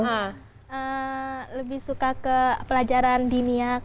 saya lebih suka ke pelajaran dinia kayak